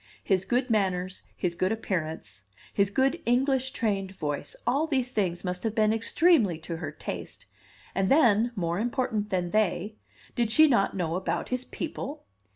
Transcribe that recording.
His good manners, his good appearance, his good English trained voice, all these things must have been extremely to her taste; and then more important than they did she not know about his people?